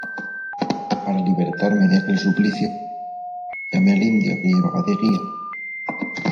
para libertarme de aquel suplicio, llamé al indio que llevaba de guía.